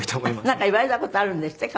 なんか言われた事あるんですって？